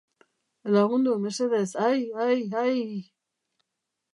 Lagundu, mesedez, ai, ai, aiii!